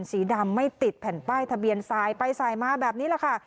สีดำไม่ติดแผ่นป้ายทะเบียนสายไปสายมาแบบนี้แหละค่ะ